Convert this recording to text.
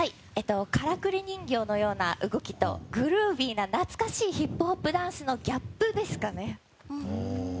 からくり人形のような動きとグルーヴィーな懐かしいヒップホップダンスのギャップですかね。